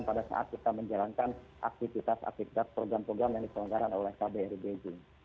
pada saat kita menjalankan aktivitas aktivitas program program yang diselenggarakan oleh kbri beijing